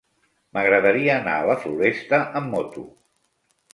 M'agradaria anar a la Floresta amb moto.